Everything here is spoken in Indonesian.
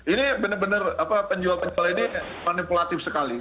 ini bener bener penjual penjual ini manipulatif sekali